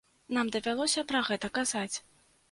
Нам давялося пра гэта казаць.